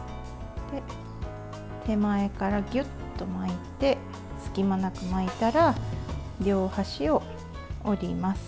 で、手前からギュッと巻いて隙間なく巻いたら両端を折ります。